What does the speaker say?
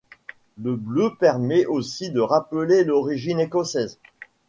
Le bleu permet aussi de rappeler l'origine écossaise.